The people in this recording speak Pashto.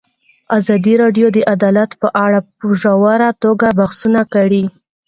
ازادي راډیو د عدالت په اړه په ژوره توګه بحثونه کړي.